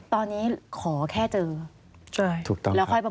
สวัสดีค่ะที่จอมฝันครับ